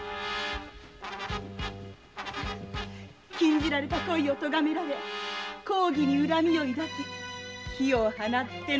禁じられた恋を咎められ公儀に恨みを抱き火を放っての心中。